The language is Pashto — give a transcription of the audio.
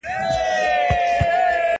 د عقل سوداګرو پکښي هر څه دي بایللي؛